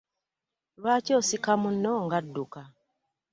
Lwaki osika muno ng'adduka?